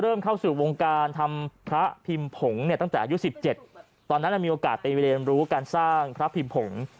เข้าสู่วงการทำพระพิมพ์ผงเนี่ยตั้งแต่อายุ๑๗ตอนนั้นมีโอกาสไปเรียนรู้การสร้างพระพิมผง